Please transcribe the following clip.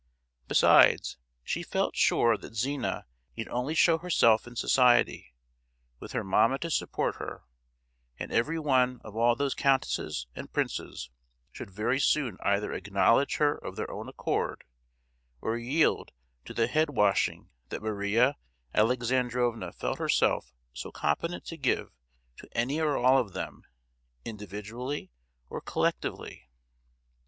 Besides, she felt sure that Zina need only show herself in society, with her mamma to support her, and every one of all those countesses and princes should very soon either acknowledge her of their own accord, or yield to the head washing that Maria Alexandrovna felt herself so competent to give to any or all of them, individually or collectively.